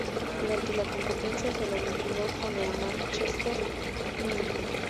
Durante la competencia se lo vinculó con el Manchester United.